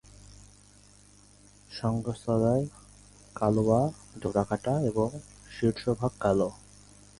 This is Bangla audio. শুঙ্গ সাদায়-কালোয় ডোরাকাটা এবং শীর্ষভাগ কালো।